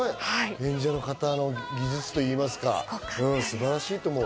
演者の方の技術といいますか、素晴らしいと思う。